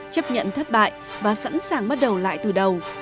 chấp nhận thất bại và sẵn sàng bắt đầu lại từ đầu